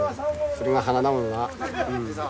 それが華だもんな。